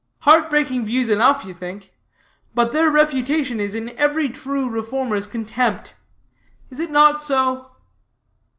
Heart breaking views enough, you think; but their refutation is in every true reformer's contempt. Is it not so?"